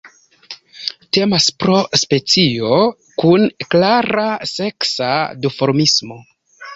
Temas pro specio kun klara seksa duformismo.